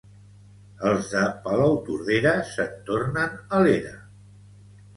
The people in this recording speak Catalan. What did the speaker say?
Els de Palautordera se'n tornen a l'era